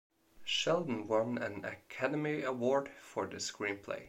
Sheldon won an Academy Award for the screenplay.